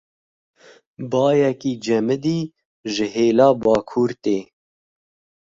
Bayekî cemidî ji hêla bakur tê.